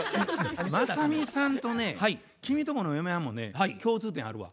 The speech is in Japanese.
雅美さんとね君とこの嫁はんもね共通点あるわ。